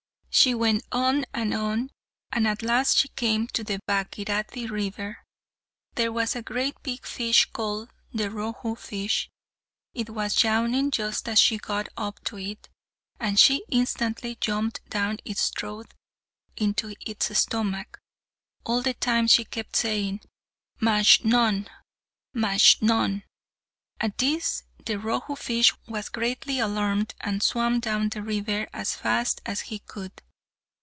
She went on and on, and at last she came to the Bhagirathi river. There was a great big fish called the Rohu fish. It was yawning just as she got up to it, and she instantly jumped down its throat into its stomach. All the time she kept saying, "Majnun, Majnun." At this the Rohu fish was greatly alarmed and swam down the river as fast as he could.